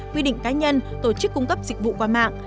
quy định cá nhân tổ chức cung cấp dịch vụ qua mạng